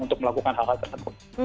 untuk melakukan hal hal tersebut